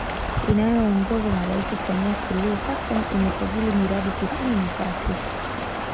Inayoongozwa na Rais Samia Suluhu Hassan imesajili miradi tisini na tatu